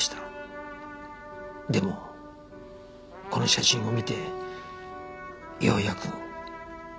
でもこの写真を見てようやく。